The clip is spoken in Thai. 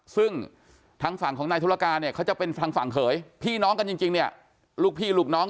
ซึ่งทางฝั่งของนายธุรการเนี่ยเขาจะเป็นทางฝั่งเขยพี่น้องกันจริงเนี่ยลูกพี่ลูกน้อง